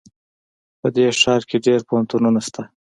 په دې ښار کې ډېر پوهنتونونه شته